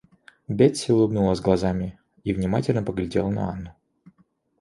Бетси улыбнулась глазами и внимательно поглядела на Анну.